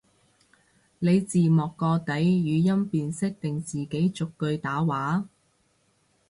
你字幕個底語音辨識定自己逐句打話？